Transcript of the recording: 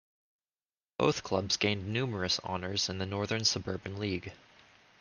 Both clubs gained numerous honours in the Northern Suburban League.